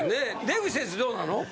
出口選手どうなの？